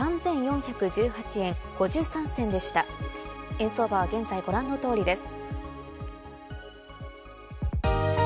円相場は現在ご覧の通りです。